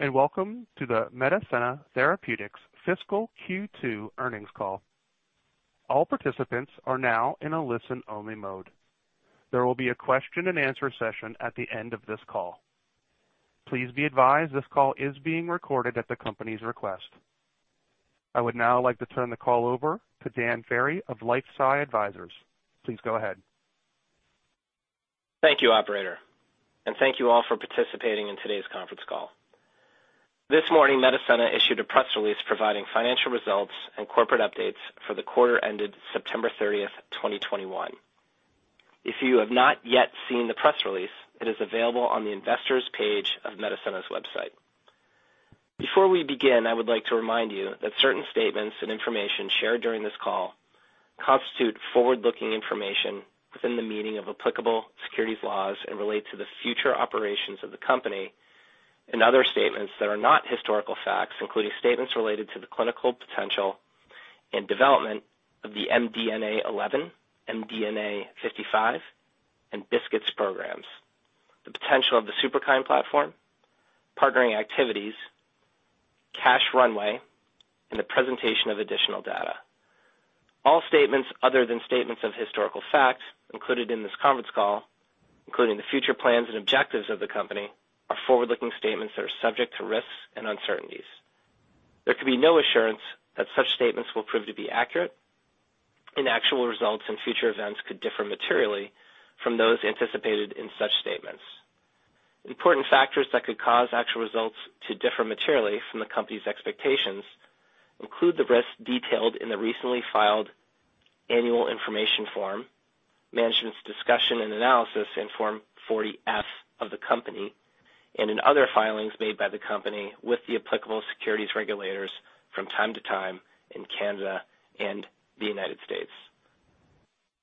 Hello, and welcome to the Medicenna Therapeutics fiscal Q2 earnings call. All participants are now in a listen-only mode. There will be a question and answer session at the end of this call. Please be advised this call is being recorded at the company's request. I would now like to turn the call over to Dan Ferry of LifeSci Advisors. Please go ahead. Thank you, operator, and thank you all for participating in today's conference call. This morning, Medicenna issued a press release providing financial results and corporate updates for the quarter ended September 30, 2021. If you have not yet seen the press release, it is available on the investors page of Medicenna's website. Before we begin, I would like to remind you that certain statements and information shared during this call constitute forward-looking information within the meaning of applicable securities laws and relate to the future operations of the company, and other statements that are not historical facts, including statements related to the clinical potential and development of the MDNA11, MDNA55 and BiSKITs programs, the potential of the Superkine platform, partnering activities, cash runway, and the presentation of additional data. All statements other than statements of historical facts included in this conference call, including the future plans and objectives of the company, are forward-looking statements that are subject to risks and uncertainties. There can be no assurance that such statements will prove to be accurate, and actual results and future events could differ materially from those anticipated in such statements. Important factors that could cause actual results to differ materially from the company's expectations include the risks detailed in the recently filed annual information form, Management's discussion and analysis in Form 40-F of the company, and in other filings made by the company with the applicable securities regulators from time to time in Canada and the United States.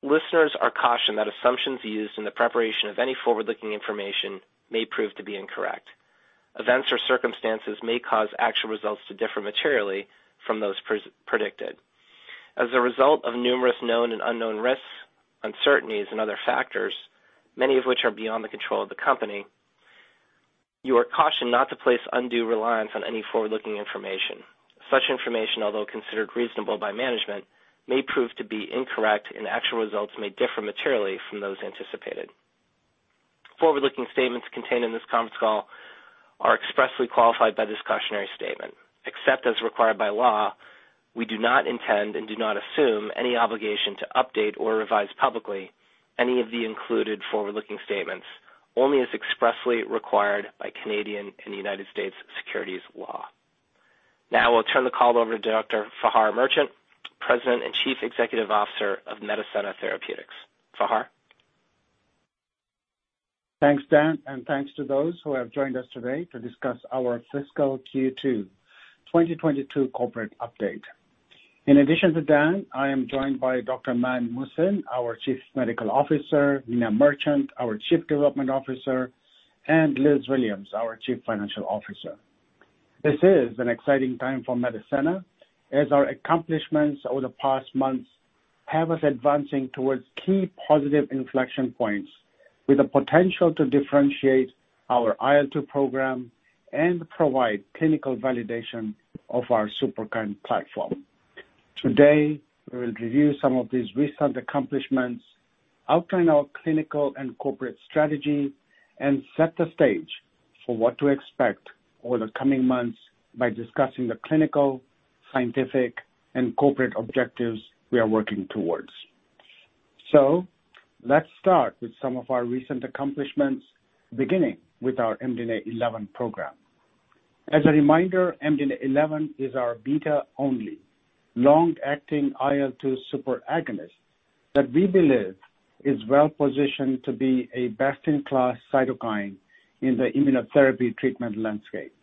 Listeners are cautioned that assumptions used in the preparation of any forward-looking information may prove to be incorrect. Events or circumstances may cause actual results to differ materially from those predicted as a result of numerous known and unknown risks, uncertainties and other factors, many of which are beyond the control of the company. You are cautioned not to place undue reliance on any forward-looking information. Such information, although considered reasonable by management, may prove to be incorrect and actual results may differ materially from those anticipated. Forward-looking statements contained in this conference call are expressly qualified by this cautionary statement. Except as required by law, we do not intend and do not assume any obligation to update or revise publicly any of the included forward-looking statements, only as expressly required by Canadian and United States securities law. Now we'll turn the call over to Dr. Fahar Merchant, President and Chief Executive Officer of Medicenna Therapeutics. Fahar. Thanks, Dan, and thanks to those who have joined us today to discuss our fiscal Q2 2022 corporate update. In addition to Dan, I am joined by Dr. Maen Hussein, our Chief Medical Officer, Rosemina Merchant, our Chief Development Officer, and Elizabeth Williams, our Chief Financial Officer. This is an exciting time for Medicenna as our accomplishments over the past months have us advancing towards key positive inflection points with the potential to differentiate our IL-2 program and provide clinical validation of our Superkine platform. Today, we will review some of these recent accomplishments, outline our clinical and corporate strategy, and set the stage for what to expect over the coming months by discussing the clinical, scientific and corporate objectives we are working towards. Let's start with some of our recent accomplishments, beginning with our MDNA11 program. As a reminder, MDNA11 is our beta-only long-acting IL-2 super agonist that we believe is well positioned to be a best-in-class cytokine in the immunotherapy treatment landscape.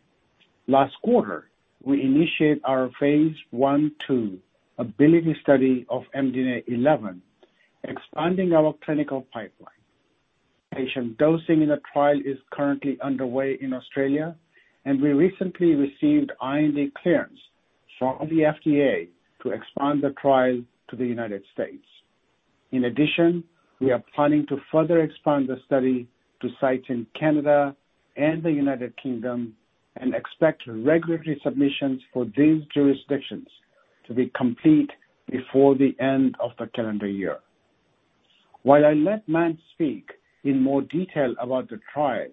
Last quarter, we initiate our phase I/II ABILITY study of MDNA11, expanding our clinical pipeline. Patient dosing in the trial is currently underway in Australia, and we recently received IND clearance from the FDA to expand the trial to the United States. In addition, we are planning to further expand the study to sites in Canada and the United Kingdom and expect regulatory submissions for these jurisdictions to be complete before the end of the calendar year. While I let Mann speak in more detail about the trial,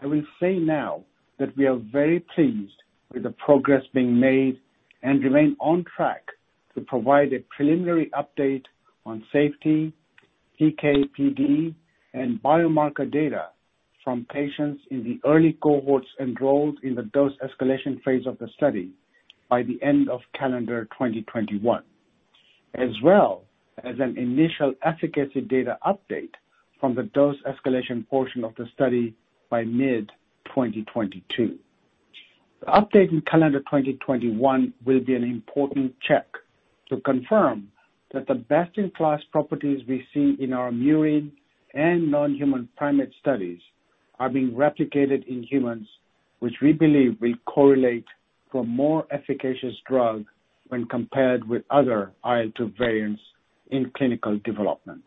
I will say now that we are very pleased with the progress being made and remain on track to provide a preliminary update on safety, PK/PD, and biomarker data from patients in the early cohorts enrolled in the dose escalation phase of the study by the end of calendar 2021, as well as an initial efficacy data update from the dose escalation portion of the study by mid 2022. The update in calendar 2021 will be an important check to confirm that the best-in-class properties we see in our murine and non-human primate studies are being replicated in humans, which we believe will correlate to a more efficacious drug when compared with other IL-2 variants in clinical development.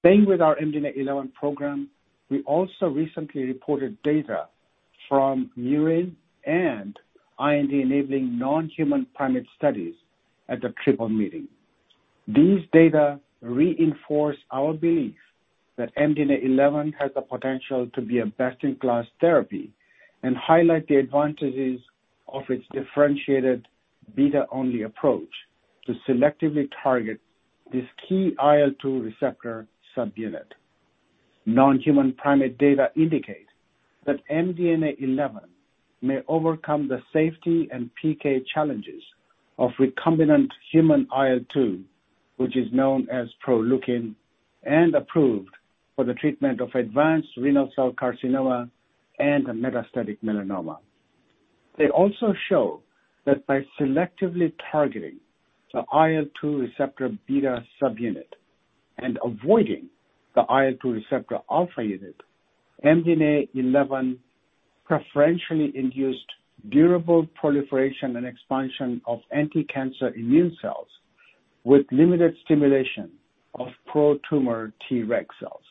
Staying with our MDNA11 program, we also recently reported data from murine and IND-enabling non-human primate studies at the SITC meeting. These data reinforce our belief that MDNA11 has the potential to be a best-in-class therapy and highlight the advantages of its differentiated beta-only approach to selectively target this key IL-2 receptor subunit. Non-human primate data indicate that MDNA11 may overcome the safety and PK challenges of recombinant human IL-2, which is known as Proleukin, and approved for the treatment of advanced renal cell carcinoma and metastatic melanoma. They also show that by selectively targeting the IL-2 receptor beta subunit and avoiding the IL-2 receptor alpha subunit, MDNA11 preferentially induced durable proliferation and expansion of anticancer immune cells with limited stimulation of pro-tumor Treg cells.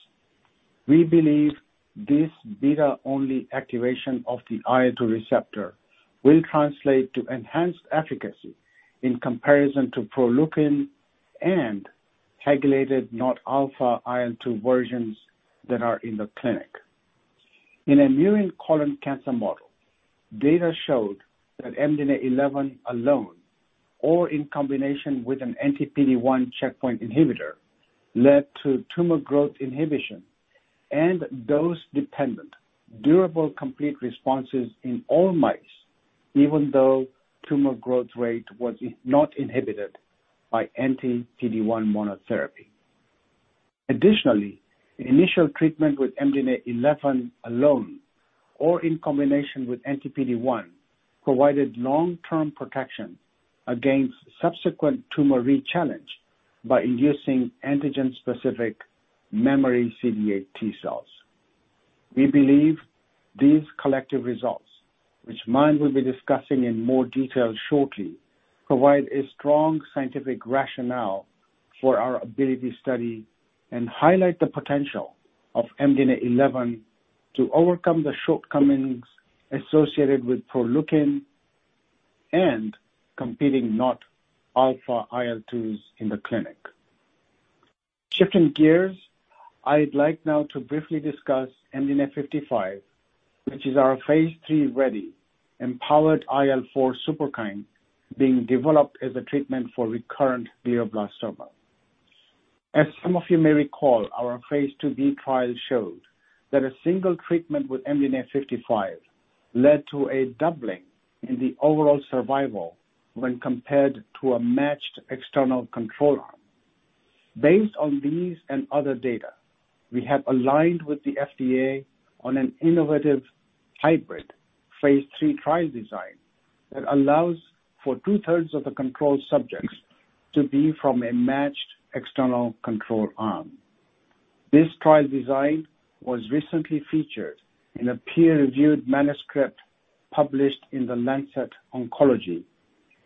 We believe this beta-only activation of the IL-2 receptor will translate to enhanced efficacy in comparison to Proleukin and other not-alpha IL-2 versions that are in the clinic. In a murine colon cancer model, data showed that MDNA11 alone or in combination with an anti-PD-1 checkpoint inhibitor led to tumor growth inhibition and dose-dependent durable complete responses in all mice, even though tumor growth rate was not inhibited by anti-PD-1 monotherapy. Additionally, initial treatment with MDNA11 alone or in combination with anti-PD-1 provided long-term protection against subsequent tumor rechallenge by inducing antigen-specific memory CD8 T cells. We believe these collective results, which Mina will be discussing in more detail shortly, provide a strong scientific rationale for our ABILITY Study and highlight the potential of MDNA11 to overcome the shortcomings associated with Proleukin and competing not-alpha IL-2s in the clinic. Shifting gears, I'd like now to briefly discuss MDNA55, which is our phase III-ready empowered IL-4 Superkine being developed as a treatment for recurrent glioblastoma. As some of you may recall, our phase IIb trial showed that a single treatment with MDNA55 led to a doubling in the overall survival when compared to a matched external control arm. Based on these and other data, we have aligned with the FDA on an innovative hybrid phase III trial design that allows for two-thirds of the control subjects to be from a matched external control arm. This trial design was recently featured in a peer-reviewed manuscript published in The Lancet Oncology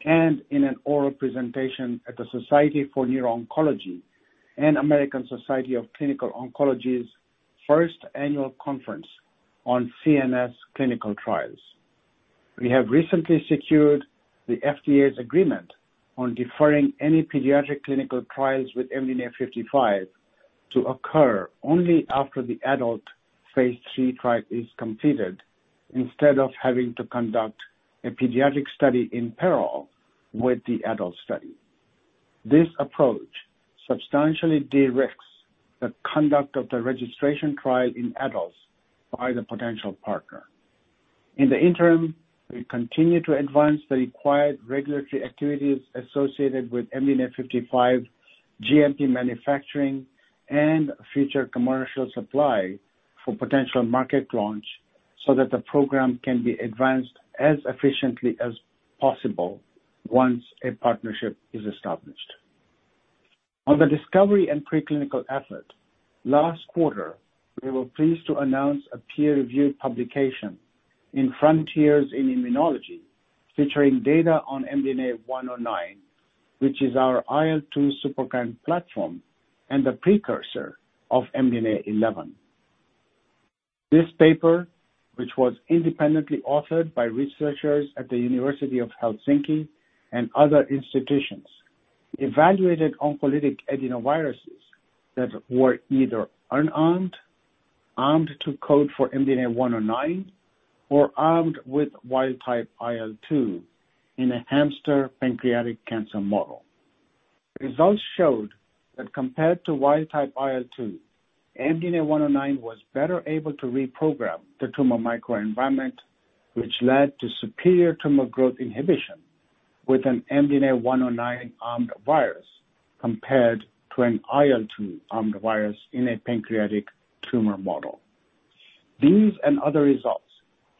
and in an oral presentation at the Society for Neuro-Oncology and American Society of Clinical Oncology's first annual conference on CNS clinical trials. We have recently secured the FDA's agreement on deferring any pediatric clinical trials with MDNA55 to occur only after the adult phase III trial is completed, instead of having to conduct a pediatric study in parallel with the adult study. This approach substantially de-risks the conduct of the registration trial in adults by the potential partner. In the interim, we continue to advance the required regulatory activities associated with MDNA55 GMP manufacturing and future commercial supply for potential market launch so that the program can be advanced as efficiently as possible once a partnership is established. On the discovery and preclinical effort, last quarter, we were pleased to announce a peer-reviewed publication in Frontiers in Immunology featuring data on MDNA109, which is our IL-2 Superkine platform and the precursor of MDNA11. This paper, which was independently authored by researchers at the University of Helsinki and other institutions, evaluated oncolytic adenoviruses that were either unarmed, armed to code for MDNA109, or armed with wild-type IL-2 in a hamster pancreatic cancer model. Results showed that compared to wild-type IL-2, MDNA109 was better able to reprogram the tumor microenvironment, which led to superior tumor growth inhibition with an MDNA109 armed virus compared to an IL-2 armed virus in a pancreatic tumor model. These and other results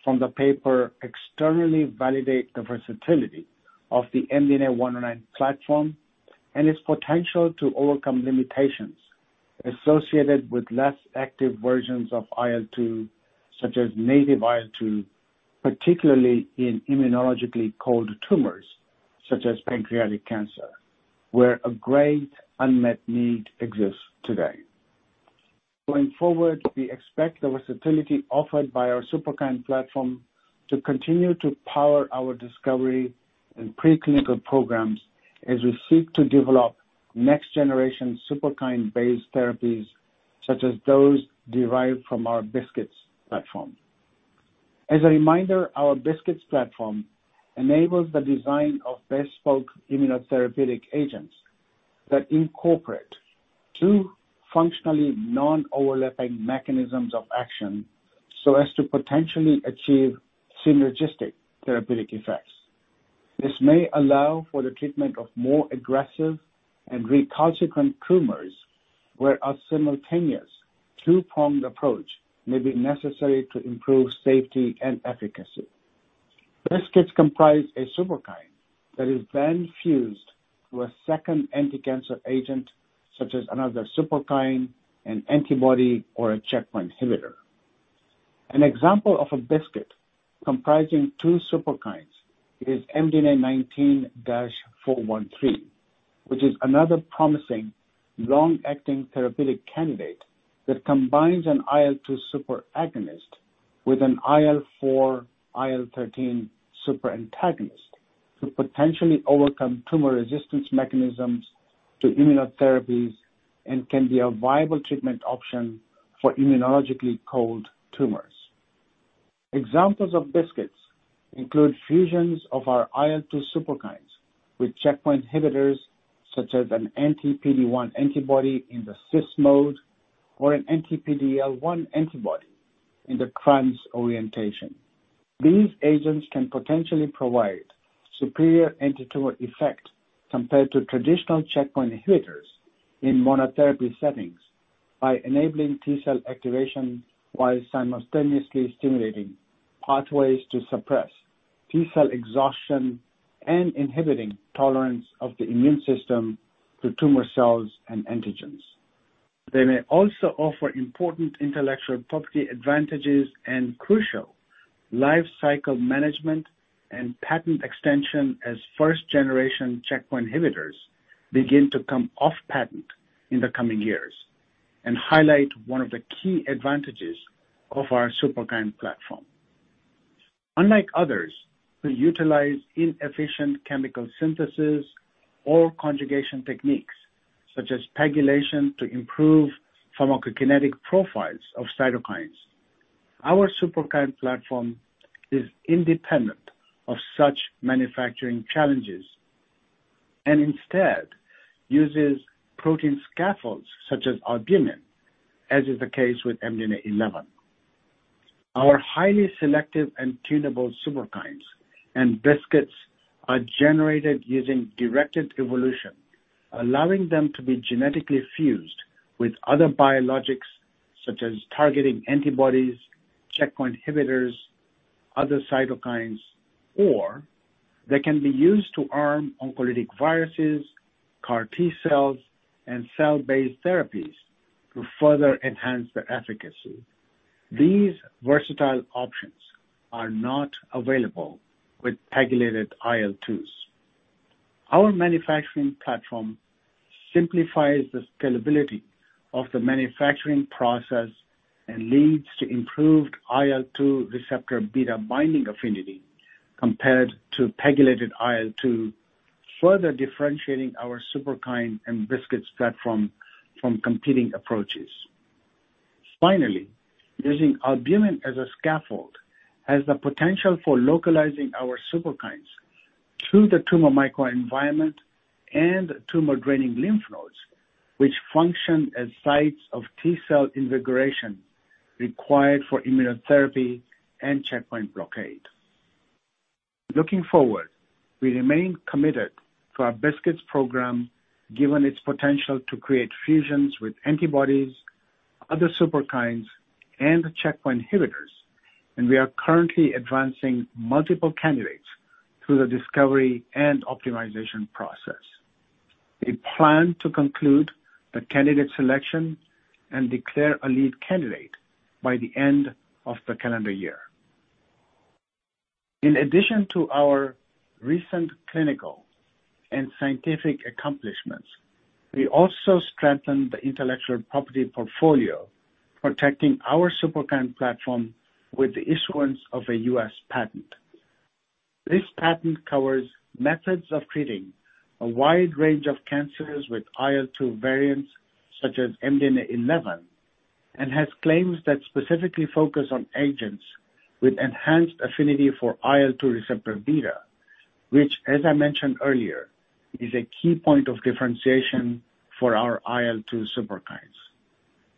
from the paper externally validate the versatility of the MDNA109 platform and its potential to overcome limitations associated with less active versions of IL-2, such as native IL-2, particularly in immunologically cold tumors, such as pancreatic cancer, where a great unmet need exists today. Going forward, we expect the versatility offered by our Superkine platform to continue to power our discovery and preclinical programs as we seek to develop next generation Superkine-based therapies such as those derived from our BiSKITs platform. As a reminder, our BiSKITs platform enables the design of bespoke immunotherapeutic agents that incorporate two functionally non-overlapping mechanisms of action so as to potentially achieve synergistic therapeutic effects. This may allow for the treatment of more aggressive and recalcitrant tumors, where a simultaneous two-pronged approach may be necessary to improve safety and efficacy. BiSKITs comprise a Superkine that is then fused to a second anticancer agent, such as another Superkine, an antibody, or a checkpoint inhibitor. An example of a BiSKIT comprising two Superkines is MDNA19-MDNA413, which is another promising long-acting therapeutic candidate that combines an IL-2 superagonist with an IL-4 IL-13 super-antagonist to potentially overcome tumor resistance mechanisms to immunotherapies and can be a viable treatment option for immunologically cold tumors. Examples of BiSKITs include fusions of our IL-2 Superkines with checkpoint inhibitors such as an anti-PD-1 antibody in the cis mode, or an anti-PD-L1 antibody in the trans orientation. These agents can potentially provide superior anti-tumor effect compared to traditional checkpoint inhibitors in monotherapy settings by enabling T-cell activation while simultaneously stimulating pathways to suppress T-cell exhaustion and inhibiting tolerance of the immune system to tumor cells and antigens. They may also offer important intellectual property advantages and crucial lifecycle management and patent extension as first generation checkpoint inhibitors begin to come off patent in the coming years, and highlight one of the key advantages of our Superkine platform. Unlike others who utilize inefficient chemical synthesis or conjugation techniques such as PEGylation to improve pharmacokinetic profiles of cytokines, our Superkine platform is independent of such manufacturing challenges and instead uses protein scaffolds such as albumin, as is the case with MDNA11. Our highly selective and tunable Superkines and BiSKITs are generated using directed evolution, allowing them to be genetically fused with other biologics such as targeting antibodies, checkpoint inhibitors, other cytokines, or they can be used to arm oncolytic viruses, CAR T-cells, and cell-based therapies to further enhance their efficacy. These versatile options are not available with PEGylated IL-2s. Our manufacturing platform simplifies the scalability of the manufacturing process and leads to improved IL-2 receptor beta binding affinity compared to pegylated IL-2, further differentiating our Superkine and BiSKITs platform from competing approaches. Finally, using albumin as a scaffold has the potential for localizing our Superkines to the tumor microenvironment and tumor-draining lymph nodes, which function as sites of T-cell invigoration required for immunotherapy and checkpoint blockade. Looking forward, we remain committed to our BiSKITs program, given its potential to create fusions with antibodies, other Superkines, and checkpoint inhibitors. We are currently advancing multiple candidates through the discovery and optimization process. We plan to conclude the candidate selection and declare a lead candidate by the end of the calendar year. In addition to our recent clinical and scientific accomplishments, we also strengthened the intellectual property portfolio, protecting our Superkine platform with the issuance of a U.S. patent. This patent covers methods of treating a wide range of cancers with IL-2 variants such as MDNA11, and has claims that specifically focus on agents with enhanced affinity for IL-2 receptor beta, which, as I mentioned earlier, is a key point of differentiation for our IL-2 Superkines.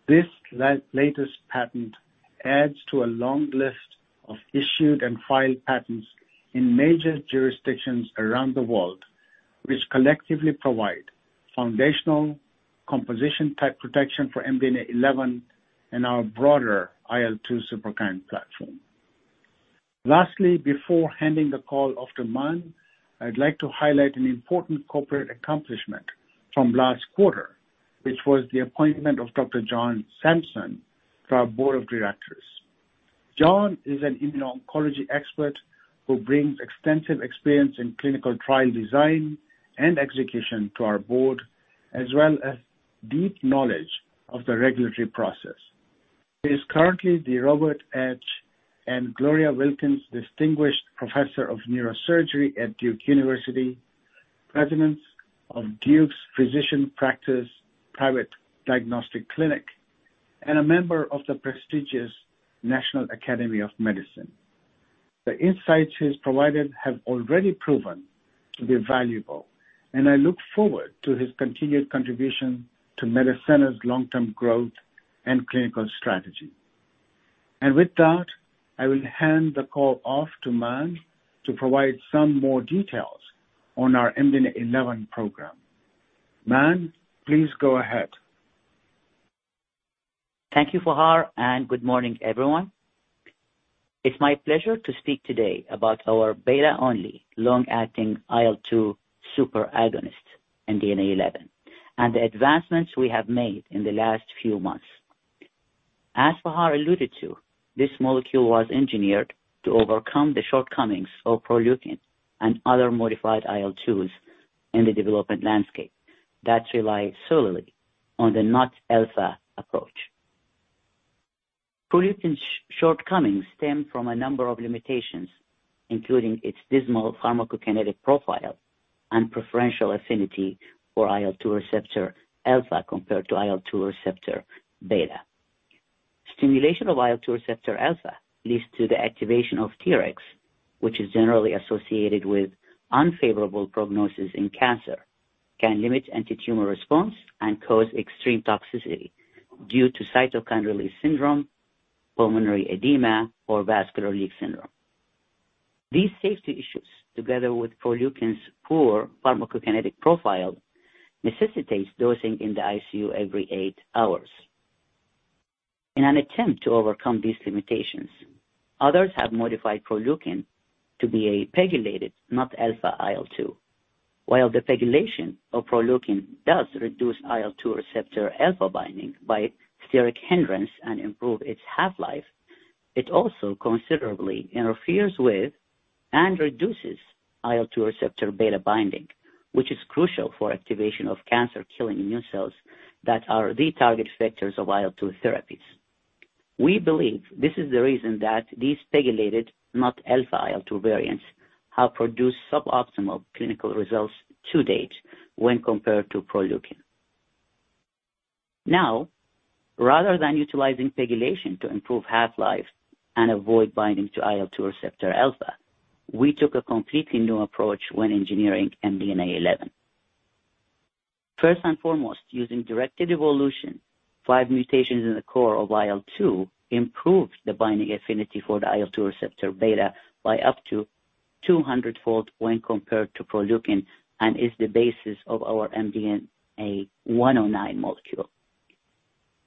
This latest patent adds to a long list of issued and filed patents in major jurisdictions around the world, which collectively provide foundational composition type protection for MDNA11 and our broader IL-2 Superkine platform. Lastly, before handing the call off to Mann, I'd like to highlight an important corporate accomplishment from last quarter, which was the appointment of Dr. John Sampson to our board of directors. John is an immuno-oncology expert who brings extensive experience in clinical trial design and execution to our board, as well as deep knowledge of the regulatory process. He is currently the Robert H. and Gloria Wilkins Professor of Neurosurgery at Duke University, President of Duke's Private Diagnostic Clinic, and a member of the prestigious National Academy of Medicine. The insights he's provided have already proven to be valuable, and I look forward to his continued contribution to Medicenna's long-term growth and clinical strategy. With that, I will hand the call off to Maen to provide some more details on our MDNA11 program. Maen, please go ahead. Thank you, Fahar, and good morning, everyone. It's my pleasure to speak today about our beta-only long-acting IL-2 superagonist, MDNA11, and the advancements we have made in the last few months. As Fahar alluded to, this molecule was engineered to overcome the shortcomings of Proleukin and other modified IL-2s in the development landscape that rely solely on the not alpha approach. Proleukin's shortcomings stem from a number of limitations, including its dismal pharmacokinetic profile and preferential affinity for IL-2 receptor alpha compared to IL-2 receptor beta. Stimulation of IL-2 receptor alpha leads to the activation of Tregs, which is generally associated with unfavorable prognosis in cancer, can limit antitumor response, and cause extreme toxicity due to cytokine release syndrome, pulmonary edema, or vascular leak syndrome. These safety issues, together with Proleukin's poor pharmacokinetic profile, necessitates dosing in the ICU every eight hours. In an attempt to overcome these limitations, others have modified Proleukin to be a PEGylated, not-alpha IL-2. While the PEGylation of Proleukin does reduce IL-2 receptor alpha binding by steric hindrance and improve its half-life, it also considerably interferes with and reduces IL-2 receptor beta binding, which is crucial for activation of cancer-killing immune cells that are the target vectors of IL-2 therapies. We believe this is the reason that these PEGylated, not-alpha IL-2 variants have produced suboptimal clinical results to date when compared to Proleukin. Now, rather than utilizing PEGylation to improve half-life and avoid binding to IL-2 receptor alpha, we took a completely new approach when engineering MDNA11. First and foremost, using directed evolution, five mutations in the core of IL-2 improved the binding affinity for the IL-2 receptor beta by up to 200-fold when compared to Proleukin, and is the basis of our MDNA109 molecule.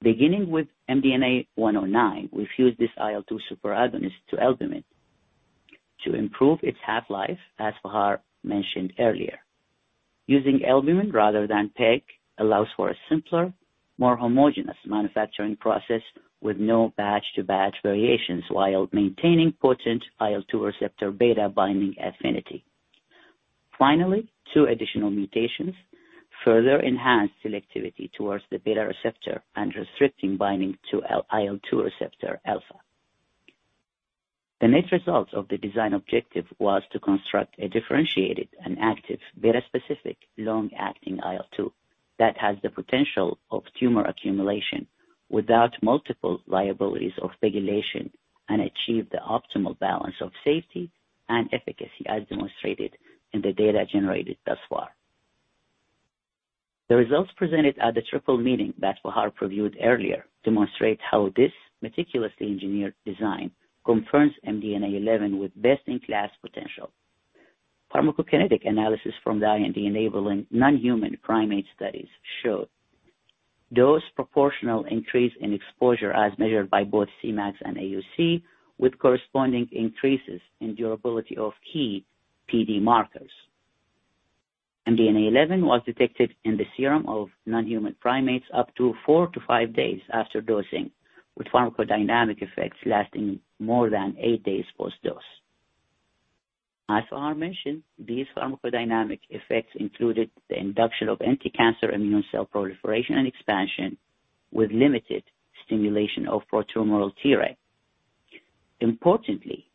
Beginning with MDNA109, we fused this IL-2 superagonist to albumin to improve its half-life, as Fahar mentioned earlier. Using albumin rather than PEG allows for a simpler, more homogeneous manufacturing process with no batch-to-batch variations while maintaining potent IL-2 receptor beta binding affinity. Finally, two additional mutations further enhanced selectivity towards the beta receptor and restricting binding to IL-2 receptor alpha. The net results of the design objective was to construct a differentiated and active beta-specific long-acting IL-2 that has the potential of tumor accumulation without multiple liabilities of PEGylation and achieve the optimal balance of safety and efficacy, as demonstrated in the data generated thus far. The results presented at the SITC meeting that Fahar previewed earlier demonstrate how this meticulously engineered design confirms MDNA11 with best-in-class potential. Pharmacokinetic analysis from the IND-enabling non-human primate studies showed dose proportional increase in exposure as measured by both Cmax and AUC, with corresponding increases in durability of key PD markers. MDNA11 was detected in the serum of non-human primates up to four-five days after dosing, with pharmacodynamic effects lasting more than eight days post-dose. As Fahar mentioned, these pharmacodynamic effects included the induction of anticancer immune cell proliferation and expansion, with limited stimulation of pro-tumoral Tregs. Importantly,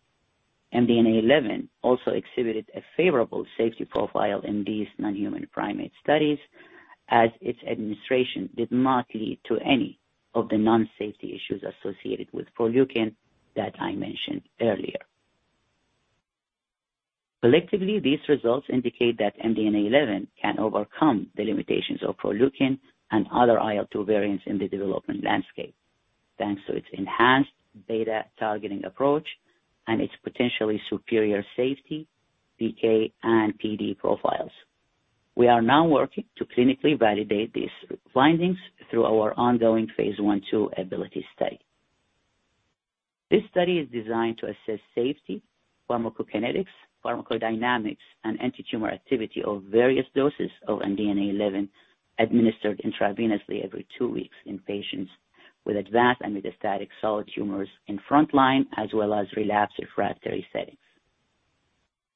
MDNA11 also exhibited a favorable safety profile in these non-human primate studies, as its administration did not lead to any of the known safety issues associated with Proleukin that I mentioned earlier. Collectively, these results indicate that MDNA11 can overcome the limitations of Proleukin and other IL-2 variants in the development landscape, thanks to its enhanced beta targeting approach and its potentially superior safety, PK, and PD profiles. We are now working to clinically validate these findings through our ongoing phase I/II ABILITY Study. This study is designed to assess safety, pharmacokinetics, pharmacodynamics, and antitumor activity of various doses of MDNA11 administered intravenously every two weeks in patients with advanced and metastatic solid tumors in frontline as well as relapsed refractory settings.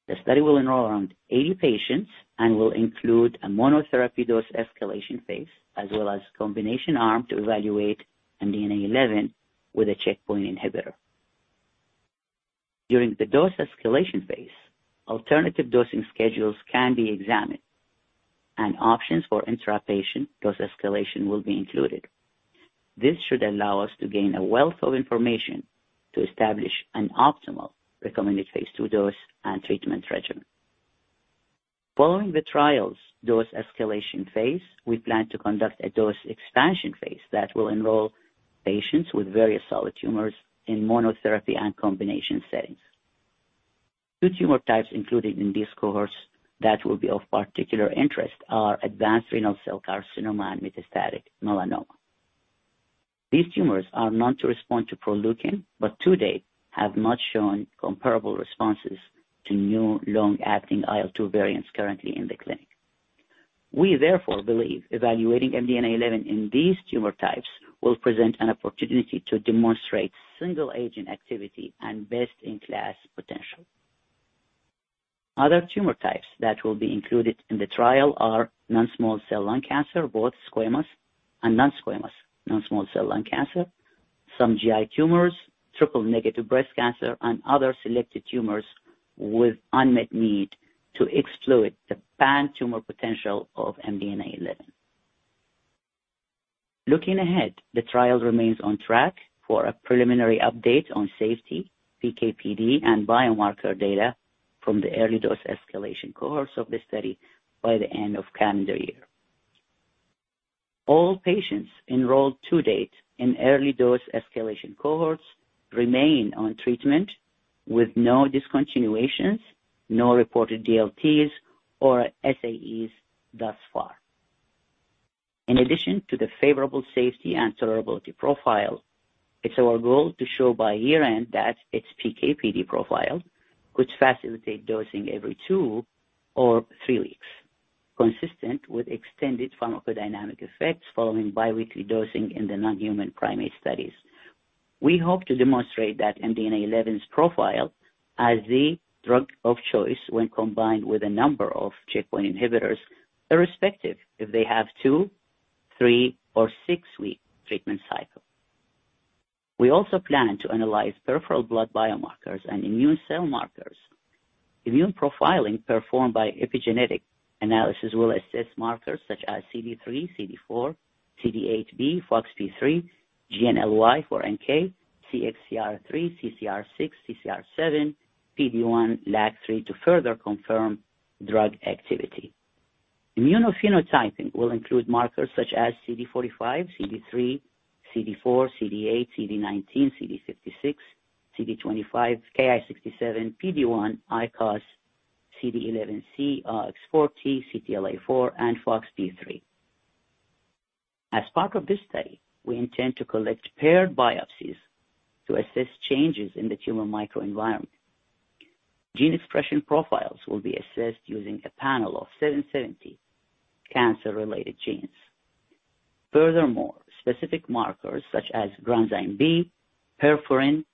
The study will enroll around 80 patients and will include a monotherapy dose escalation phase as well as combination arm to evaluate MDNA11 with a checkpoint inhibitor. During the dose escalation phase, alternative dosing schedules can be examined, and options for intrapatient dose escalation will be included. This should allow us to gain a wealth of information to establish an optimal recommended phase II dose and treatment regimen. Following the trial's dose escalation phase, we plan to conduct a dose expansion phase that will enroll patients with various solid tumors in monotherapy and combination settings. Two tumor types included in this cohort that will be of particular interest are advanced renal cell carcinoma and metastatic melanoma. These tumors are known to respond to Proleukin, but to date have not shown comparable responses to new long-acting IL-2 variants currently in the clinic. We therefore believe evaluating MDNA11 in these tumor types will present an opportunity to demonstrate single agent activity and best-in-class potential. Other tumor types that will be included in the trial are non-small cell lung cancer, both squamous and non-squamous non-small cell lung cancer, some GI tumors, triple-negative breast cancer, and other selected tumors with unmet need to exploit the pan-tumor potential of MDNA11. Looking ahead, the trial remains on track for a preliminary update on safety, PK/PD, and biomarker data from the early dose escalation cohorts of the study by the end of calendar year. All patients enrolled to date in early dose escalation cohorts remain on treatment with no discontinuations, no reported DLTs or SAEs thus far. In addition to the favorable safety and tolerability profile, it's our goal to show by year-end that its PK/PD profile could facilitate dosing every two or three weeks, consistent with extended pharmacodynamic effects following bi-weekly dosing in the non-human primate studies. We hope to demonstrate that MDNA11's profile as the drug of choice when combined with a number of checkpoint inhibitors, irrespective if they have two, three, or six-week treatment cycle. We also plan to analyze peripheral blood biomarkers and immune cell markers. Immune profiling performed by epigenetic analysis will assess markers such as CD3, CD4, CD8b, Foxp3, GNLY for NK, CXCR3, CCR6, CCR7, PD-1, LAG-3, to further confirm drug activity. Immunophenotyping will include markers such as CD45, CD3, CD4, CD8, CD19, CD56, CD25, Ki-67, PD-1, ICOS, CD11c, OX40, CTLA-4, and Foxp3. As part of this study, we intend to collect paired biopsies to assess changes in the tumor microenvironment. Gene expression profiles will be assessed using a panel of 770 cancer-related genes. Furthermore, specific markers such as granzyme B, perforin,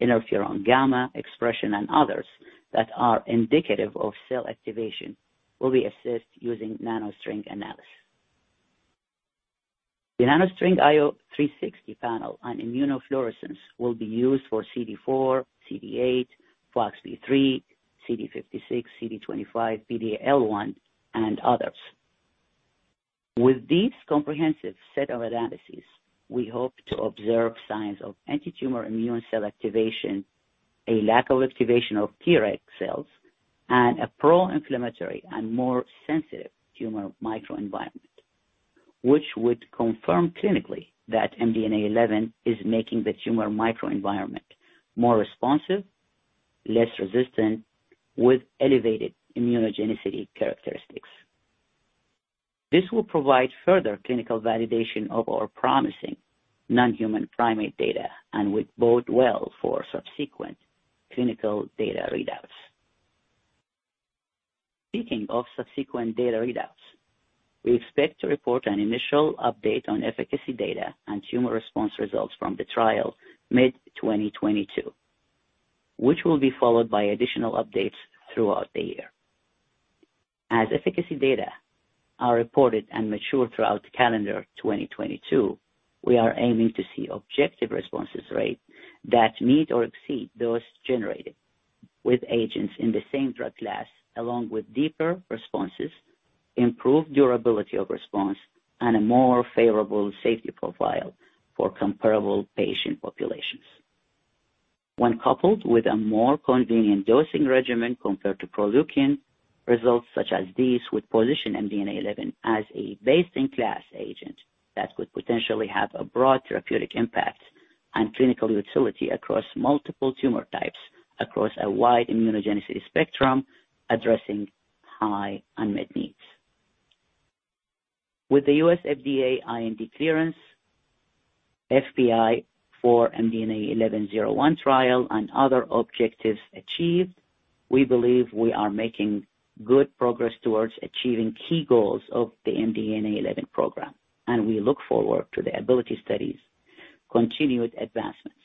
interferon gamma expression, and others that are indicative of cell activation will be assessed using NanoString analysis. The NanoString nCounter PanCancer IO 360 Panel on immunofluorescence will be used for CD4, CD8, Foxp3, CD56, CD25, PD-L1, and others. With this comprehensive set of analyses, we hope to observe signs of antitumor immune cell activation, a lack of activation of Treg cells, and a pro-inflammatory and more sensitive tumor microenvironment, which would confirm clinically that MDNA11 is making the tumor microenvironment more responsive, less resistant, with elevated immunogenicity characteristics. This will provide further clinical validation of our promising non-human primate data and would bode well for subsequent clinical data readouts. Speaking of subsequent data readouts, we expect to report an initial update on efficacy data and tumor response results from the trial mid-2022, which will be followed by additional updates throughout the year. As efficacy data are reported and mature throughout calendar 2022, we are aiming to see objective response rate that meet or exceed those generated with agents in the same drug class, along with deeper responses, improved durability of response, and a more favorable safety profile for comparable patient populations. When coupled with a more convenient dosing regimen compared to Proleukin, results such as these would position MDNA11 as a best-in-class agent that could potentially have a broad therapeutic impact and clinical utility across multiple tumor types, across a wide immunogenicity spectrum, addressing high unmet needs. With the U.S. FDA IND clearance, FIH for MDNA11 trial and other objectives achieved, we believe we are making good progress towards achieving key goals of the MDNA11 program, and we look forward to the ABILITY studies' continued advancements.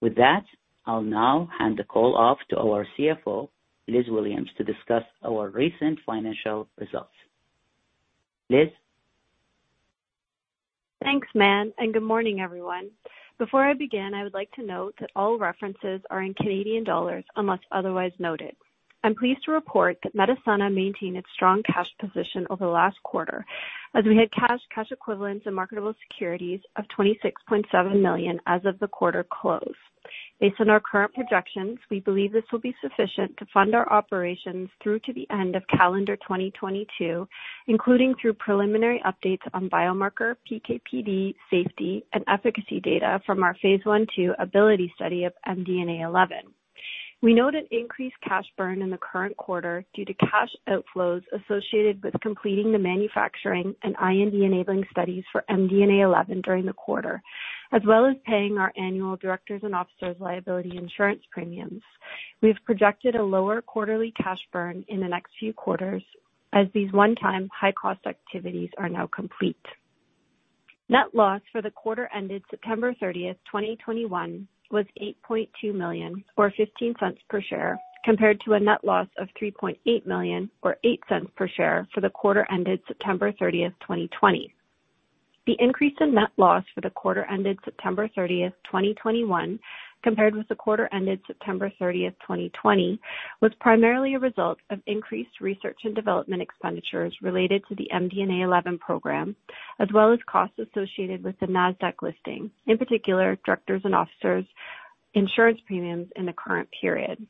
With that, I'll now hand the call off to our CFO, Elizabeth Williams, to discuss our recent financial results. Liz? Thanks, Mann, and good morning, everyone. Before I begin, I would like to note that all references are in Canadian dollars unless otherwise noted. I'm pleased to report that Medicenna maintained its strong cash position over the last quarter as we had cash equivalents, and marketable securities of 26.7 million as of the quarter close. Based on our current projections, we believe this will be sufficient to fund our operations through to the end of calendar 2022, including through preliminary updates on biomarker PK/PD safety and efficacy data from our phase I/II ABILITY Study of MDNA11. We note an increased cash burn in the current quarter due to cash outflows associated with completing the manufacturing and IND-enabling studies for MDNA11 during the quarter, as well as paying our annual directors' and officers' liability insurance premiums. We've projected a lower quarterly cash burn in the next few quarters as these one-time high-cost activities are now complete. Net loss for the quarter ended September 30, 2021 was 8.2 million or 0.15 per share, compared to a net loss of 3.8 million or 0.08 per share for the quarter ended September 30, 2020. The increase in net loss for the quarter ended September 30, 2021 compared with the quarter ended September 30, 2020, was primarily a result of increased research and development expenditures related to the MDNA11 program, as well as costs associated with the Nasdaq listing, in particular, directors' and officers' insurance premiums in the current period.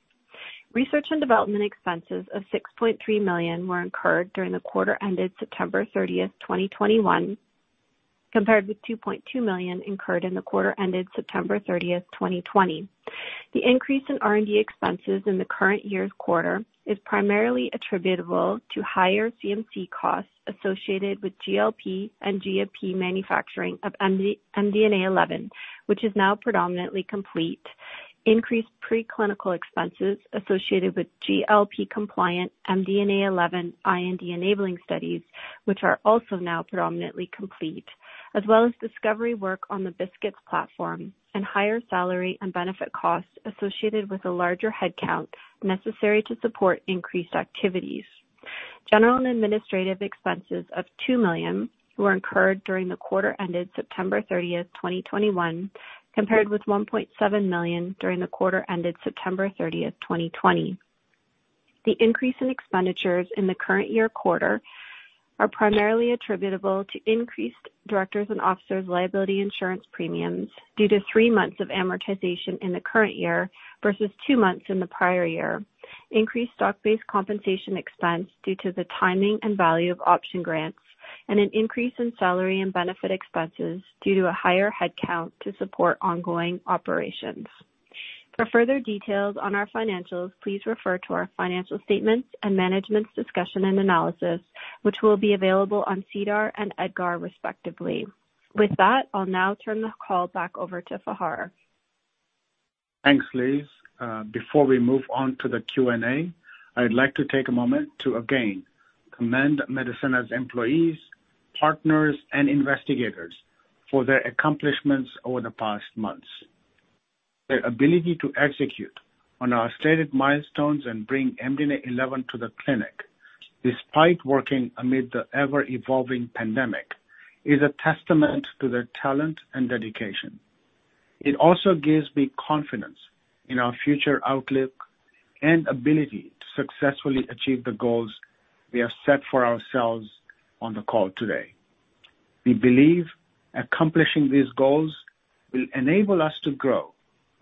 Research and development expenses of 6.3 million were incurred during the quarter ended September 30, 2021, compared with 2.2 million incurred in the quarter ended September 30, 2020. The increase in R&D expenses in the current year's quarter is primarily attributable to higher CMC costs associated with GLP and GMP manufacturing of MDNA11, which is now predominantly complete, increased preclinical expenses associated with GLP-compliant MDNA11 IND-enabling studies, which are also now predominantly complete, as well as discovery work on the BiSKITs platform and higher salary and benefit costs associated with a larger headcount necessary to support increased activities. General and administrative expenses of 2 million were incurred during the quarter ended September 30, 2021, compared with 1.7 million during the quarter ended September 30, 2020. The increase in expenditures in the current year quarter is primarily attributable to increased directors' and officers' liability insurance premiums due to three months of amortization in the current year versus two months in the prior year, increased stock-based compensation expense due to the timing and value of option grants, and an increase in salary and benefit expenses due to a higher headcount to support ongoing operations. For further details on our financials, please refer to our financial statements and management's discussion and analysis, which will be available on SEDAR and EDGAR, respectively. With that, I'll now turn the call back over to Fahar. Thanks, Liz. Before we move on to the Q&A, I'd like to take a moment to again commend Medicenna's employees, partners, and investigators for their accomplishments over the past months. Their ability to execute on our stated milestones and bring MDNA11 to the clinic despite working amid the ever-evolving pandemic is a testament to their talent and dedication. It also gives me confidence in our future outlook and ability to successfully achieve the goals we have set for ourselves on the call today. We believe accomplishing these goals will enable us to grow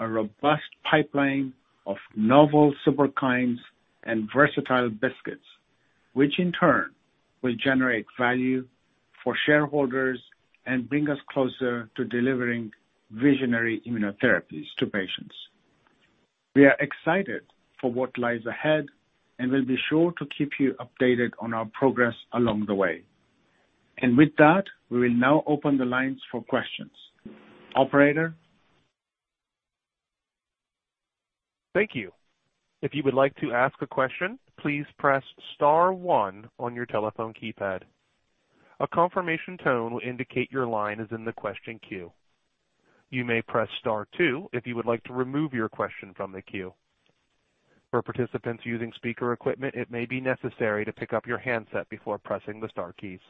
a robust pipeline of novel Superkines and versatile BiSKITs, which in turn will generate value for shareholders and bring us closer to delivering visionary immunotherapies to patients. We are excited for what lies ahead and will be sure to keep you updated on our progress along the way. With that, we will now open the lines for questions. Operator? Thank you. If you would like to ask a question, please press star one on your telephone keypad. A confirmation tone will indicate your line is in the question queue. You may press star two if you would like to remove your question from the queue. For participants using speaker equipment, it may be necessary to pick up your handset before pressing the star keys.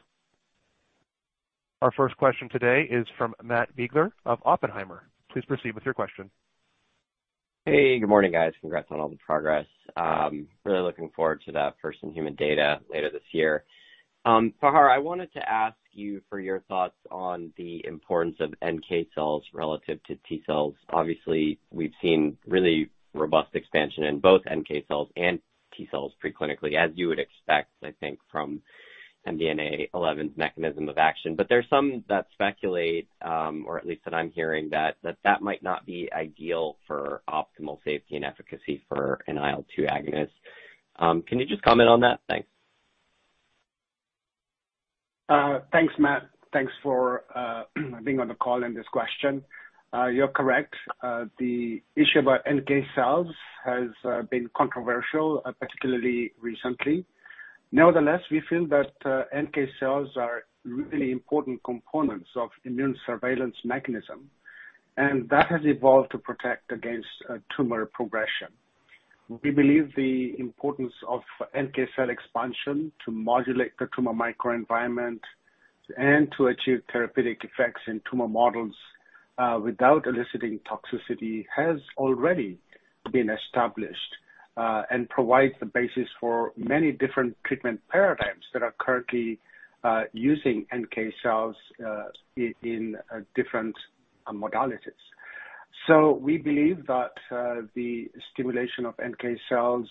Our first question today is from Matt Biegler of Oppenheimer. Please proceed with your question. Hey, good morning, guys. Congrats on all the progress. Really looking forward to that first human data later this year. Fahar, I wanted to ask you for your thoughts on the importance of NK cells relative to T cells. Obviously, we've seen really robust expansion in both NK cells and T cells pre-clinically, as you would expect, I think, from MDNA11's mechanism of action. There's some that speculate, or at least that I'm hearing that might not be ideal for optimal safety and efficacy for an IL-2 agonist. Can you just comment on that? Thanks. Thanks, Matt. Thanks for being on the call and this question. You're correct. The issue about NK cells has been controversial, particularly recently. Nevertheless, we feel that NK cells are really important components of immune surveillance mechanism, and that has evolved to protect against tumor progression. We believe the importance of NK cell expansion to modulate the tumor microenvironment and to achieve therapeutic effects in tumor models without eliciting toxicity has already been established, and provides the basis for many different treatment paradigms that are currently using NK cells in different modalities. We believe that the stimulation of NK cells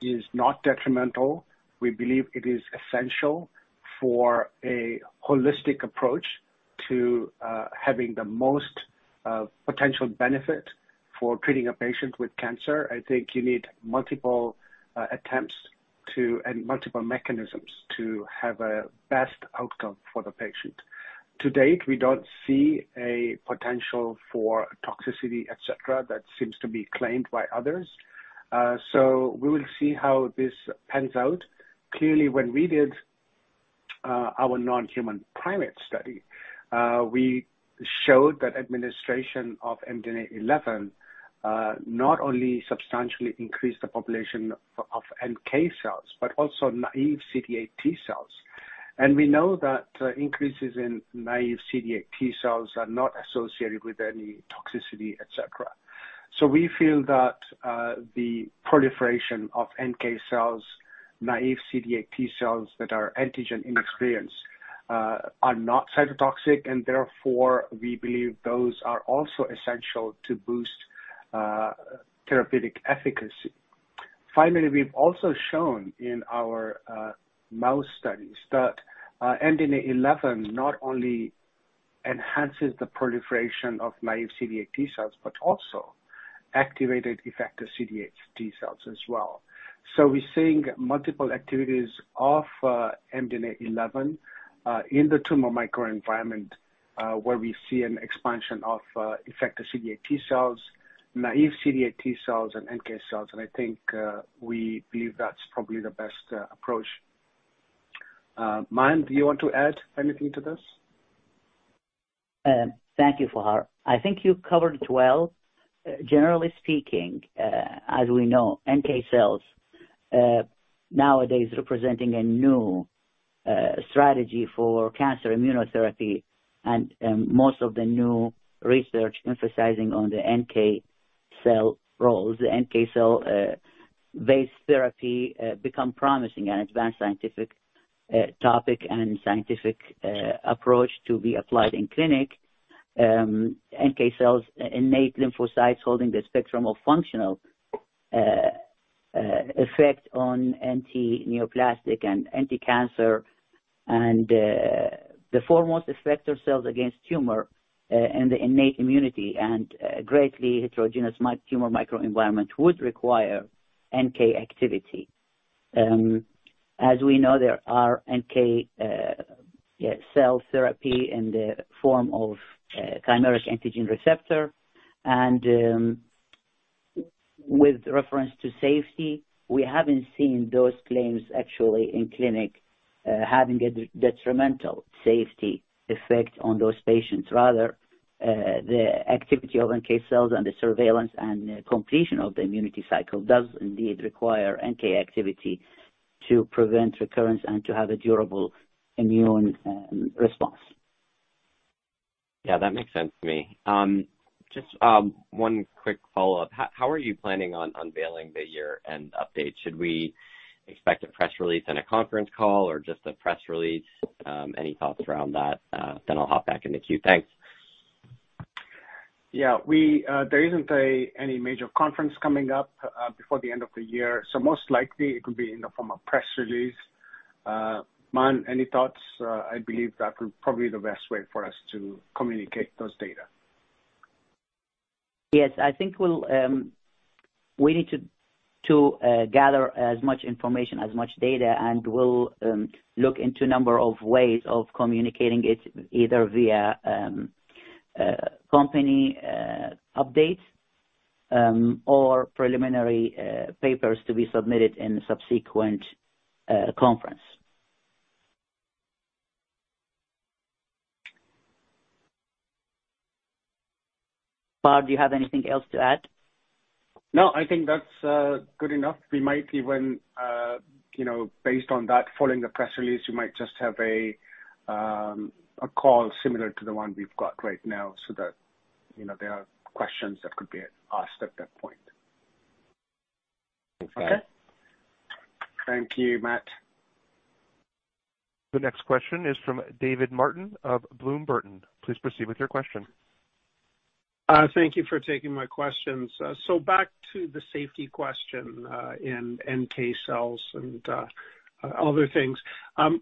is not detrimental. We believe it is essential for a holistic approach to having the most potential benefit for treating a patient with cancer. I think you need multiple attempts and multiple mechanisms to have a best outcome for the patient. To date, we don't see a potential for toxicity, et cetera, that seems to be claimed by others. We will see how this pans out. Clearly, when we did our non-human primate study, we showed that administration of MDNA11 not only substantially increased the population of NK cells but also naive CD8 T cells. We know that increases in naive CD8 T cells are not associated with any toxicity, et cetera. We feel that the proliferation of NK cells, naive CD8 T cells that are antigen-inexperienced, are not cytotoxic, and therefore, we believe those are also essential to boost therapeutic efficacy. Finally, we've also shown in our mouse studies that MDNA11 not only enhances the proliferation of naive CD8 T cells but also activated effector CD8 T cells as well. We're seeing multiple activities of MDNA11 in the tumor microenvironment, where we see an expansion of effector CD8 T cells, naive CD8 T cells, and NK cells. I think we believe that's probably the best approach. Maen, do you want to add anything to this? Thank you, Fahar. I think you covered it well. Generally speaking, as we know, NK cells nowadays representing a new strategy for cancer immunotherapy and, most of the new research emphasizing on the NK cell roles, the NK cell based therapy become promising and advanced scientific topic and scientific approach to be applied in clinic. NK cells, innate lymphocytes holding the spectrum of functional effect on anti-neoplastic and anti-cancer and, the foremost effector cells against tumor and the innate immunity and, greatly heterogeneous tumor microenvironment would require NK activity. As we know, there are NK cell therapy in the form of chimeric antigen receptor. With reference to safety, we haven't seen those claims actually in clinic having a detrimental safety effect on those patients. Rather, the activity of NK cells and the surveillance and completion of the immunity cycle does indeed require NK activity to prevent recurrence and to have a durable immune response. Yeah, that makes sense to me. Just one quick follow-up. How are you planning on unveiling the year-end update? Should we expect a press release and a conference call or just a press release? Any thoughts around that? Then I'll hop back in the queue. Thanks. Yeah. There isn't any major conference coming up before the end of the year, so most likely it will be in the form of press release. Maen, any thoughts? I believe that will probably the best way for us to communicate those data. Yes. I think we'll need to gather as much information, as much data, and we'll look into number of ways of communicating it, either via company updates or preliminary papers to be submitted in subsequent conference. Fahar, do you have anything else to add? No, I think that's good enough. We might even, you know, based on that, following the press release, we might just have a call similar to the one we've got right now so that, you know, there are questions that could be asked at that point. Okay. Okay. Thank you, Matt. The next question is from David Martin of Bloom Burton. Please proceed with your question. Thank you for taking my questions. Back to the safety question, in NK cells and other things.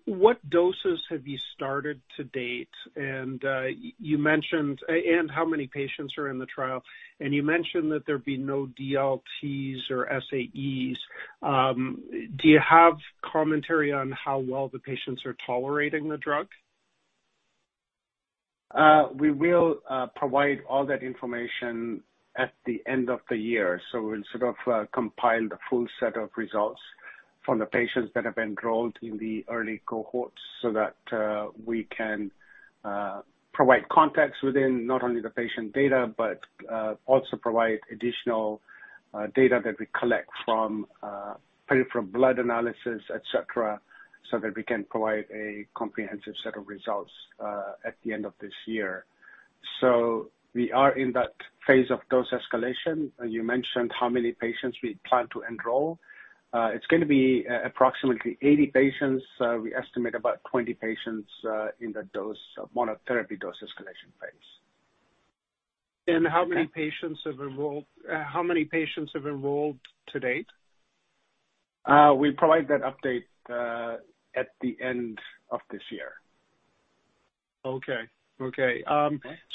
What doses have you started to date? You mentioned how many patients are in the trial? You mentioned that there'd be no DLTs or SAEs. Do you have commentary on how well the patients are tolerating the drug? We will provide all that information at the end of the year. We'll sort of compile the full set of results from the patients that have enrolled in the early cohorts so that we can provide context within not only the patient data, but also provide additional data that we collect from peripheral blood analysis, et cetera, so that we can provide a comprehensive set of results at the end of this year. We are in that phase of dose escalation. You mentioned how many patients we plan to enroll. It's gonna be approximately 80 patients. We estimate about 20 patients in the monotherapy dose escalation phase. How many patients have enrolled to date? We provide that update at the end of this year. Okay.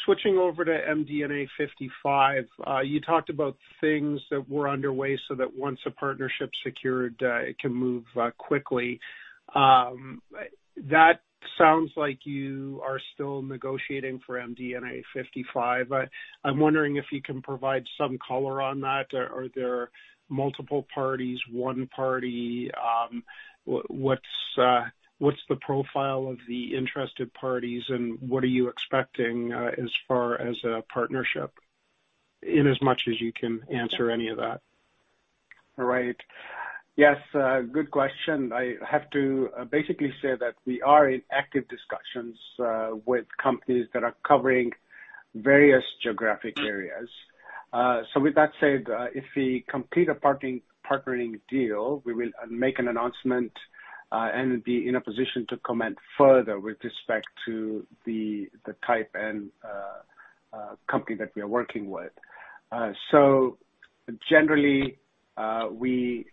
Switching over to MDNA55, you talked about things that were underway so that once a partnership's secured, it can move quickly. That sounds like you are still negotiating for MDNA55. I'm wondering if you can provide some color on that. Are there multiple parties, one party? What's the profile of the interested parties and what are you expecting as far as a partnership, in as much as you can answer any of that? Right. Yes, good question. I have to basically say that we are in active discussions with companies that are covering various geographic areas. With that said, if we complete a partnering deal, we will make an announcement and be in a position to comment further with respect to the type and company that we are working with. Generally, we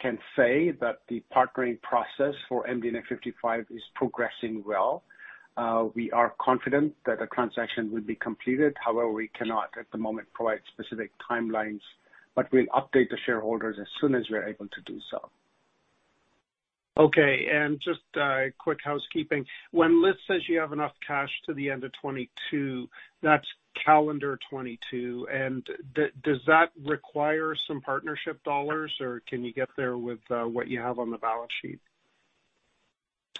can say that the partnering process for MDNA55 is progressing well. We are confident that a transaction will be completed. However, we cannot at the moment provide specific timelines, but we'll update the shareholders as soon as we're able to do so. Okay. Just a quick housekeeping. When Liz says you have enough cash to the end of 2022, that's calendar 2022. Does that require some partnership dollars, or can you get there with what you have on the balance sheet?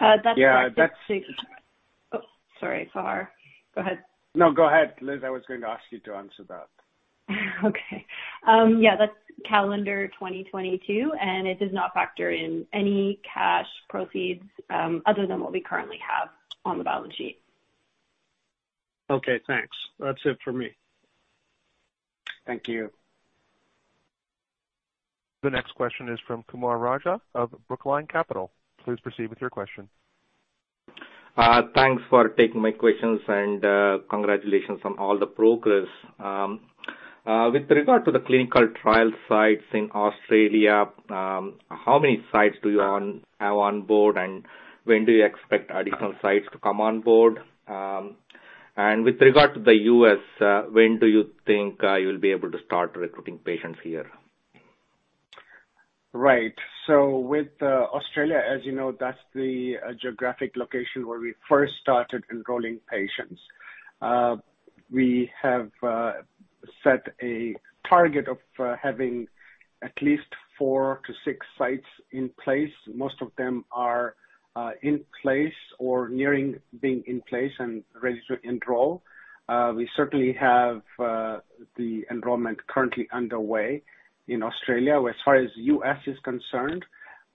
Uh, that's- Yeah, that's. Oh, sorry, Fahar. Go ahead. No, go ahead, Liz. I was going to ask you to answer that. Okay. Yeah, that's calendar 2022, and it does not factor in any cash proceeds other than what we currently have on the balance sheet. Okay, thanks. That's it for me. Thank you. The next question is from Kumar Raja of Brookline Capital Markets. Please proceed with your question. Thanks for taking my questions, and congratulations on all the progress. With regard to the clinical trial sites in Australia, how many sites do you have on board, and when do you expect additional sites to come on board? With regard to the U.S., when do you think you'll be able to start recruiting patients here? Right. With Australia, as you know, that's the geographic location where we first started enrolling patients. We have set a target of having at least four-six sites in place. Most of them are in place or nearing being in place and ready to enroll. We certainly have the enrollment currently underway in Australia. As far as U.S. is concerned,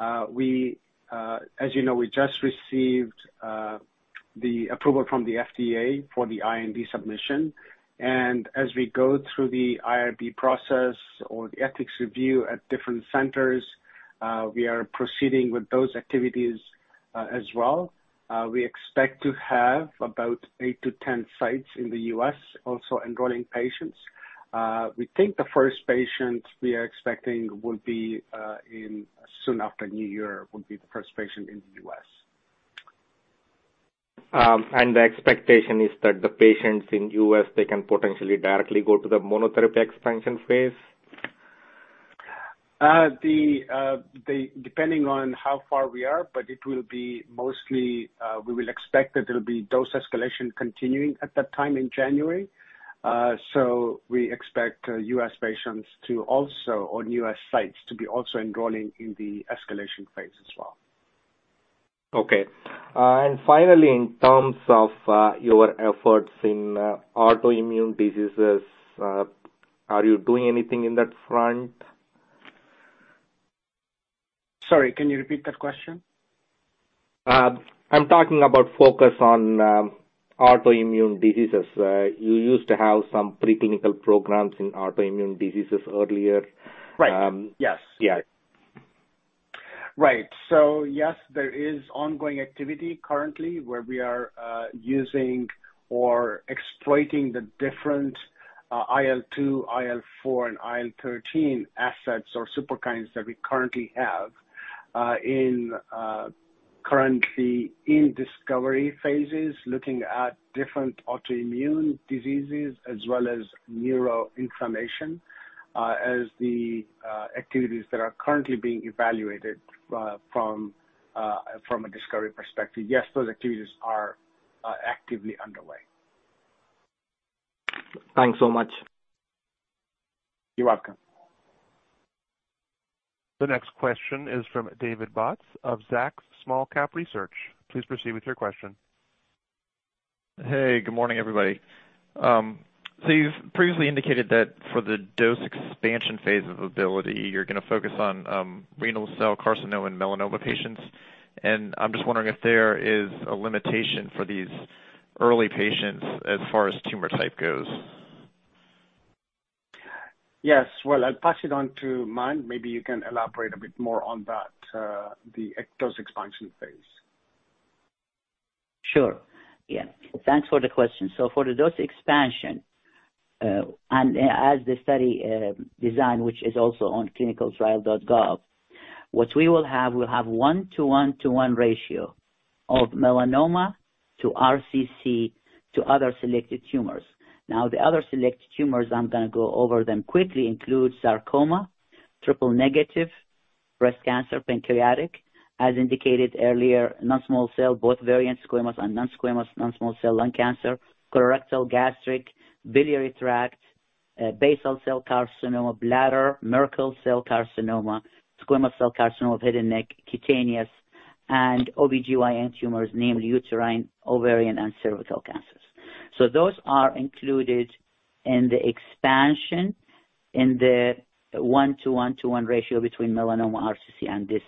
as you know, we just received the approval from the FDA for the IND submission. As we go through the IRB process or the ethics review at different centers, we are proceeding with those activities as well. We expect to have about eight-10 sites in the U.S. also enrolling patients. We think the first patient we are expecting will be soon after New Year in the U.S. The expectation is that the patients in U.S., they can potentially directly go to the monotherapy expansion phase? Depending on how far we are, but it will be mostly we will expect that it'll be dose escalation continuing at that time in January. We expect U.S. patients to also or U.S. sites to be also enrolling in the escalation phase as well. Okay. Finally, in terms of your efforts in autoimmune diseases, are you doing anything in that front? Sorry, can you repeat that question? I'm talking about focus on autoimmune diseases. You used to have some preclinical programs in autoimmune diseases earlier. Right. Yes. Yeah. Right. Yes, there is ongoing activity currently where we are using or exploiting the different IL-2, IL-4, and IL-13 assets or Superkines that we currently have in discovery phases, looking at different autoimmune diseases as well as neuroinflammation. As the activities that are currently being evaluated from a discovery perspective, yes, those activities are actively underway. Thanks so much. You're welcome. The next question is from David Bautz of Zacks Small Cap Research. Please proceed with your question. Hey, good morning, everybody. So you've previously indicated that for the dose expansion phase of ABILITY-1, you're gonna focus on renal cell carcinoma and melanoma patients. I'm just wondering if there is a limitation for these early patients as far as tumor type goes. Yes. Well, I'll pass it on to Mann. Maybe you can elaborate a bit more on that, the dose expansion phase. Sure. Yeah. Thanks for the question. For the dose expansion and as the study design, which is also on ClinicalTrials.gov, what we will have is a 1:1:1 ratio of melanoma to RCC to other selected tumors. Now, the other selected tumors, I'm gonna go over them quickly, include sarcoma, triple-negative breast cancer, pancreatic, as indicated earlier, non-small cell lung cancer, both squamous and non-squamous variants, colorectal, gastric, biliary tract, basal cell carcinoma, bladder, Merkel cell carcinoma, squamous cell carcinoma of head and neck, cutaneous, and OB/GYN tumors, namely uterine, ovarian, and cervical cancers. Those are included in the expansion in the 1:1:1 ratio between melanoma, RCC, and these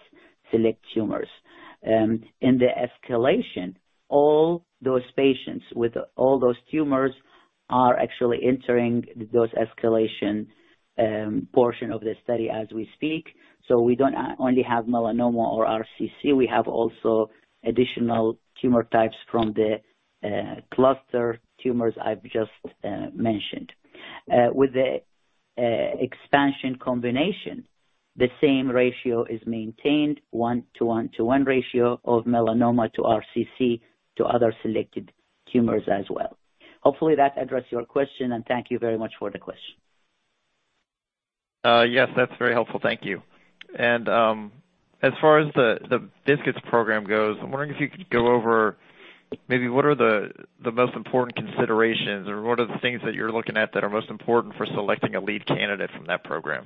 select tumors. In the escalation, all those patients with all those tumors are actually entering the dose escalation portion of the study as we speak. We don't only have melanoma or RCC, we have also additional tumor types from the cluster tumors I've just mentioned. With the expansion combination, the same ratio is maintained 1-to-1-to-1 ratio of melanoma to RCC to other selected tumors as well. Hopefully that addressed your question, and thank you very much for the question. Yes, that's very helpful. Thank you. As far as the BiSKITs program goes, I'm wondering if you could go over maybe what are the most important considerations or what are the things that you're looking at that are most important for selecting a lead candidate from that program?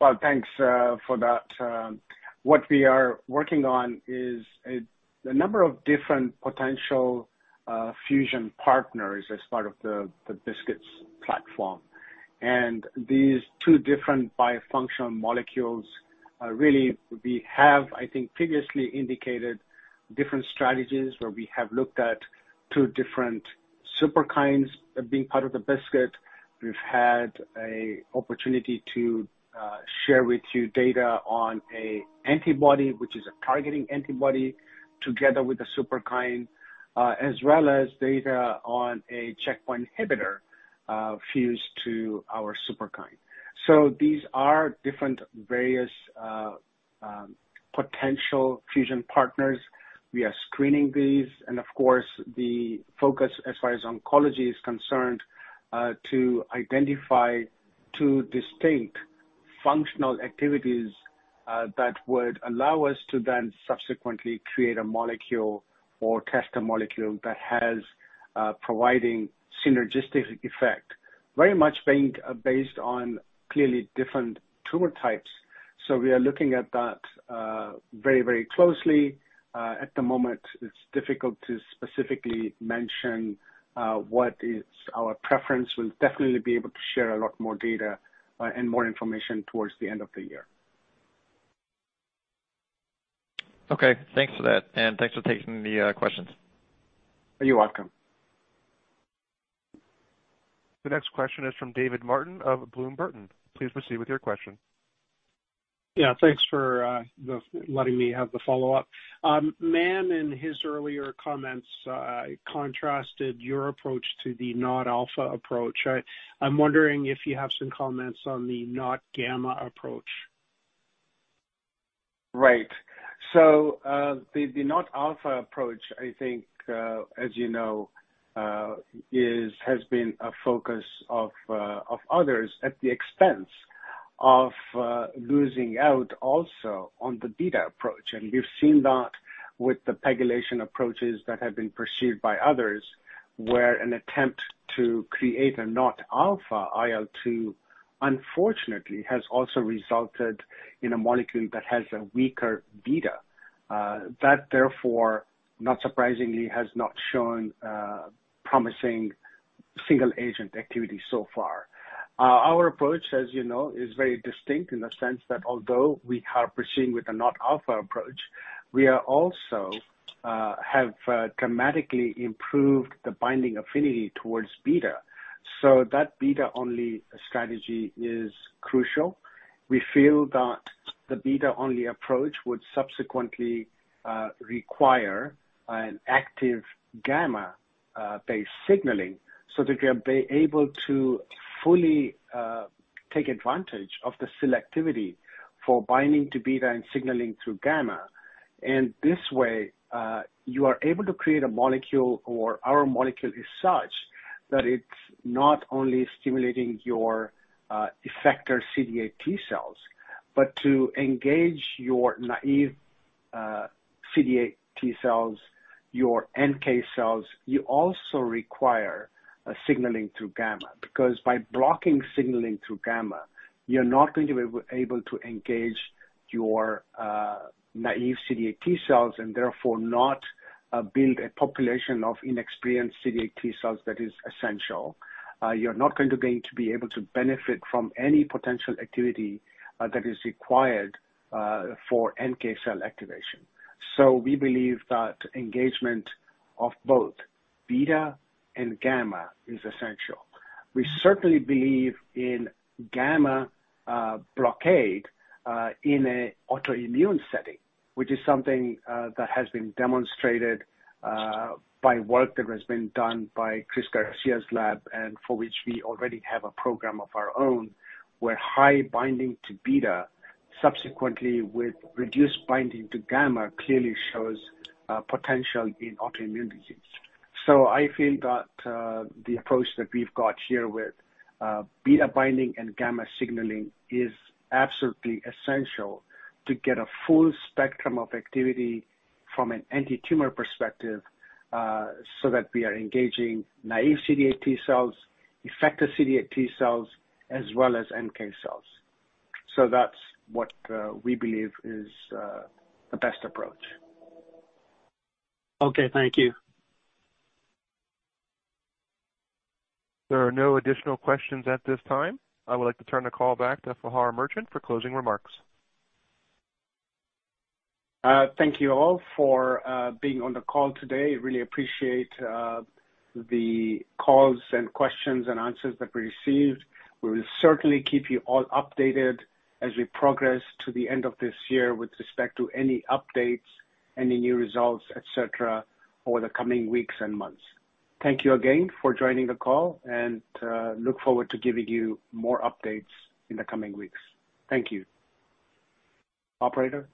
Well, thanks for that. What we are working on is a number of different potential fusion partners as part of the BiSKITs platform. These two different bifunctional molecules are really, we have, I think, previously indicated different strategies where we have looked at two different superkines of being part of the BiSKITs. We've had an opportunity to share with you data on an antibody, which is a targeting antibody, together with the superkine, as well as data on a checkpoint inhibitor fused to our superkine. These are different various potential fusion partners. We are screening these and of course, the focus as far as oncology is concerned, to identify two distinct functional activities, that would allow us to then subsequently create a molecule or test a molecule that has, providing synergistic effect, very much being, based on clearly different tumor types. We are looking at that, very, very closely. At the moment it's difficult to specifically mention, what is our preference. We'll definitely be able to share a lot more data, and more information towards the end of the year. Okay, thanks for that, and thanks for taking the questions. You're welcome. The next question is from David Martin of Bloom Burton. Please proceed with your question. Yeah. Thanks for letting me have the follow-up. Mann, in his earlier comments, contrasted your approach to the not-alpha approach. I'm wondering if you have some comments on the not-gamma approach. Right. The not-alpha approach, I think, as you know, has been a focus of others at the expense of losing out also on the beta approach. We've seen that with the PEGylation approaches that have been pursued by others, where an attempt to create a not-alpha IL-2 unfortunately has also resulted in a molecule that has a weaker beta. That therefore, not surprisingly, has not shown promising single agent activity so far. Our approach, as you know, is very distinct in the sense that although we are proceeding with a not-alpha approach, we have dramatically improved the binding affinity towards beta. That beta-only strategy is crucial. We feel that the beta-only approach would subsequently require an active gamma based signaling so that we are able to fully take advantage of the selectivity for binding to beta and signaling through gamma. This way, you are able to create a molecule, or our molecule is such that it's not only stimulating your effector CD8 T cells, but to engage your naive CD8 T cells, your NK cells, you also require a signaling through gamma. Because by blocking signaling through gamma, you're not going to be able to engage your naive CD8 T cells and therefore not build a population of inexperienced CD8 T cells that is essential. You're not going to be able to benefit from any potential activity that is required for NK cell activation. We believe that engagement of both beta and gamma is essential. We certainly believe in gamma, blockade, in an autoimmune setting, which is something, that has been demonstrated, by work that has been done by Chris Garcia's lab and for which we already have a program of our own, where high binding to beta subsequently with reduced binding to gamma clearly shows, potential in autoimmune disease. I feel that, the approach that we've got here with, beta binding and gamma signaling is absolutely essential to get a full spectrum of activity from an antitumor perspective, so that we are engaging naive CD8 T cells, effector CD8 T cells, as well as NK cells. That's what we believe is the best approach. Okay, thank you. There are no additional questions at this time. I would like to turn the call back to Fahar Merchant for closing remarks. Thank you all for being on the call today. Really appreciate the calls and questions and answers that we received. We will certainly keep you all updated as we progress to the end of this year with respect to any updates, any new results, et cetera, over the coming weeks and months. Thank you again for joining the call and look forward to giving you more updates in the coming weeks. Thank you. Operator?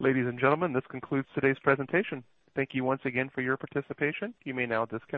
Ladies and gentlemen, this concludes today's presentation. Thank you once again for your participation. You may now disconnect.